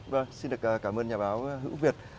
vâng xin được cảm ơn nhà báo hữu việt